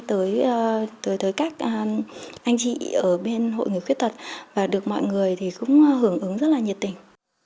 tới tới các anh chị ở bên hội người khuyết tật và được mọi người thì cũng hưởng ứng rất là nhiệt tình